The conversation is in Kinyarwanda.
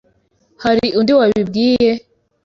Hari undi wabibwiye?